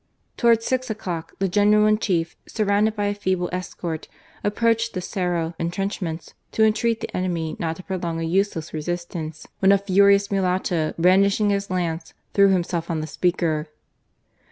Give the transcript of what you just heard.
Towards six o'clock the General in Chief, surrounded by a feeble escort, approached the Cerro entrench ments to intreat the enemy not to prolong a useless resistance, when a furious mulatto brandishing his lance threw himself on the speaker.